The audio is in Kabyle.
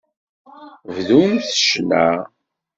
Bdum ccna.